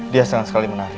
dia sangat sekali menarik